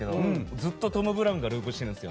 ずっとトム・ブラウンがループしてるんですよ。